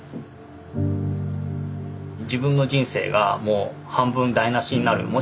自分の人生が半分台なしになる。